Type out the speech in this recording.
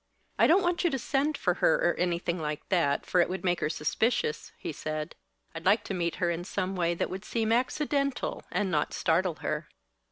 "I don't want you to send for her, or anything like that, for it would make her suspicious," he said. "I'd like to meet her in some way that would seem accidental, and not startle her."